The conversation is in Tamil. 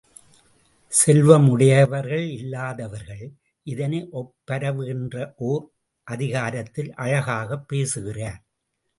செல்வம் உடையவர்கள் இல்லாதவர்கள் இதனை ஒப்பரவு என்ற ஓர் அதிகாரத்தில் அழகாகப் பேசுகிறார்.